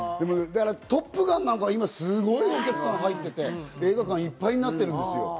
『トップガン』なんかは今すごくお客さん入っていて、映画館いっぱいになってるんですよ。